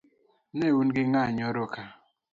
Neun gi ng'a nyoro ka